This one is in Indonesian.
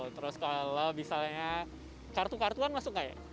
terus kalau misalnya kartu kartuan masuk nggak ya